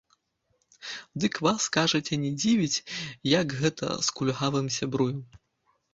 Дык вас, кажаце, не дзівіць, як гэта з кульгавым сябрую?